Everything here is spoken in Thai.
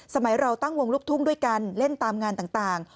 สมัยเราตั้งวงลูกทุ่งด้วยกันเล่นตามงานต่าง